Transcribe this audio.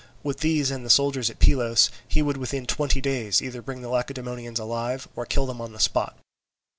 With these and the soldiers at Pylos, he would within twenty days either bring the Lacedaemonians alive, or kill them on the spot.